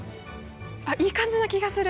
あっいい感じな気がする。